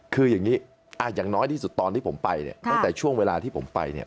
คืออย่างนี้อย่างน้อยที่สุดตอนที่ผมไปเนี่ยตั้งแต่ช่วงเวลาที่ผมไปเนี่ย